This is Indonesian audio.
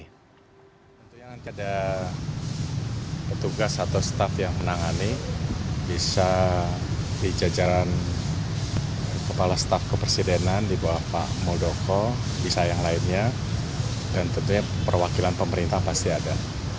tentunya nanti ada petugas atau staff yang menangani bisa di jajaran kepala staf kepresidenan di bawah pak muldoko bisa yang lainnya dan tentunya perwakilan pemerintah pasti ada